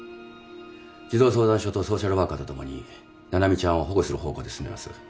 児童相談所とソーシャルワーカーと共に七海ちゃんを保護する方向で進めます。